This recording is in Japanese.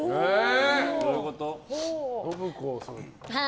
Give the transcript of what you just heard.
どういうこと？